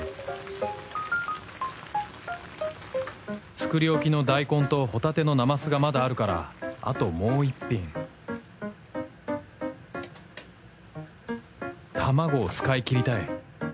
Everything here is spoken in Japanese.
作り置きの大根とホタテのなますがまだあるからあともう１品卵を使いきりたい。